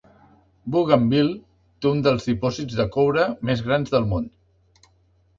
Bougainville té un dels dipòsits de coure més grans del món.